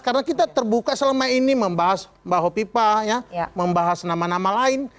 karena kita terbuka selama ini membahas mbak hopipa membahas nama nama lain